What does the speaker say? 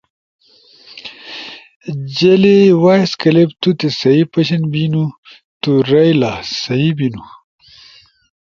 جیلی وائس کلپ تُوتے سہی پشن بینُو تُو رائیلا سہی ہینو۔